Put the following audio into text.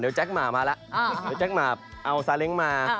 เดี๋ยวแจ็คหมามาล่ะเอาซาเล็งมา